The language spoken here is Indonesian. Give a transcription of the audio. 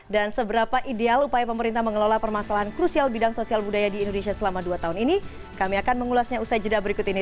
dan seberapa ideal upaya pemerintah mengelola permasalahan krusial bidang sosial budaya di indonesia selama dua tahun ini kami akan mengulasnya usai jeda berikut ini